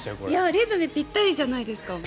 リズムぴったりじゃないですか。